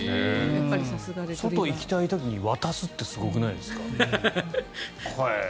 外に行きたい時に渡すってすごくないですか？